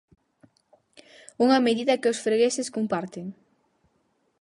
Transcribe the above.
Unha medida que os fregueses comparten.